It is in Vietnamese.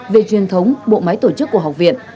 về truyền thống bộ máy tổ chức của học viện